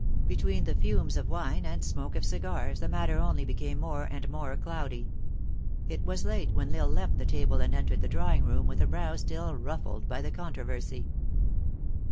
Between the fumes of wine and smoke of cigars, the matter only became more and more cloudy. It was late when L Isle left the table and entered the drawing room, with a brow still ruffled by the controversy.